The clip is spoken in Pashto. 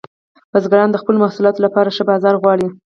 بزګران د خپلو محصولاتو لپاره ښه بازار غواړي.